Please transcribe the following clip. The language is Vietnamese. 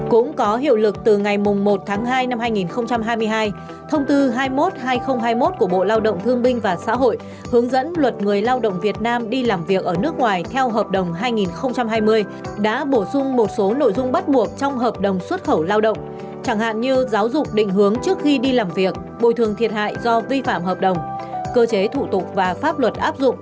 cũng có hiệu lực từ ngày mùng một tháng hai năm hai nghìn hai mươi hai thông tư hai mươi một hai nghìn hai mươi một của bộ lao động thương binh và xã hội hướng dẫn luật người lao động việt nam đi làm việc ở nước ngoài theo hợp đồng hai nghìn hai mươi đã bổ sung một số nội dung bắt buộc trong hợp đồng xuất khẩu lao động chẳng hạn như giáo dục định hướng trước khi đi làm việc bồi thường thiệt hại do vi phạm hợp đồng cơ chế thủ tục và pháp luật áp dụng để giải quyết tranh chất